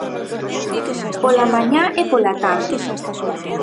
Pola mañá e pola tarde.